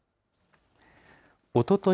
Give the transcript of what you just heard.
おととい